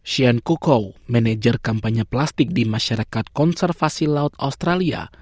shane cuckow manajer kampanye plastik di masyarakat konservasi laut australia